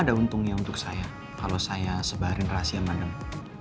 ada untungnya untuk saya kalau saya sebarin rahasia mandang